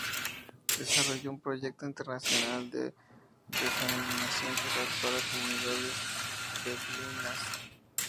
Desarrolló un proyecto internacional de desalinización solar para comunidades beduinas.